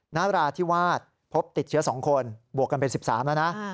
นราธิวาสพบติดเชื้อ๒คนบวกกันเป็น๑๓แล้วนะ